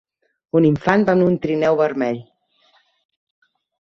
Un infant va amb un trineu vermell.